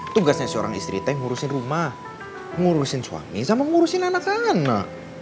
tugasnya seorang istri tank ngurusin rumah ngurusin suami sama ngurusin anak anak